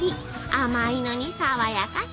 甘いのに爽やかさ。